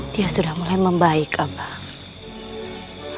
dia sudah mulai membaik allah